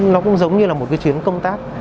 nó cũng giống như là một cái chuyến công tác